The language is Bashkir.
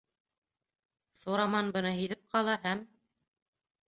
Сураман быны һиҙеп ҡала һәм: